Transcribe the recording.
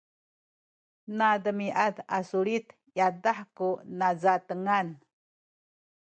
nademiad a sulit yadah ku nazatengan